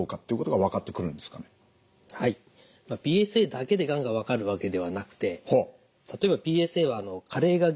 ＰＳＡだけでがんが分かるわけではなくて例えばＰＳＡは加齢が原因でですね